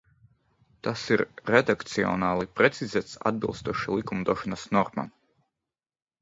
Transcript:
Tas ir redakcionāli precizēts atbilstoši likumdošanas normām.